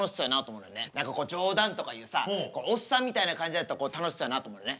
何かこう冗談とか言うさおっさんみたいな感じやったら楽しそうやなと思うよね。